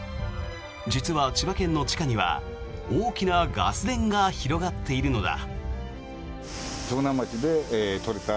実は千葉県の地下には大きなガス田が広がっているのだ。